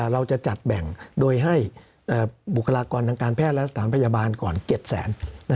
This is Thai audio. เราจะจัดแบ่งโดยให้บุคลากรทางการแพทย์และสถานพยาบาลก่อน๗แสน